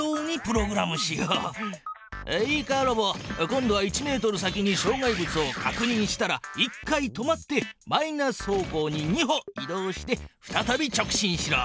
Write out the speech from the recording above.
今度は１ｍ先にしょう害物をかくにんしたら１回止まってマイナス方向に２歩い動してふたたび直進しろ。